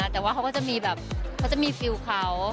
แต่ว่าเขาก็จะมีฟิลเขา